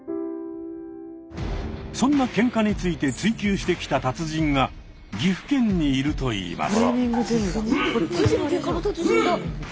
そんなケンカについて追求してきた達人が岐阜県にいるといいます。